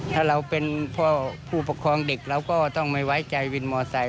ถ้าเราเป็นพ่อผู้ปกครองเด็กเราก็ต้องไม่ไว้ใจวินมอไซค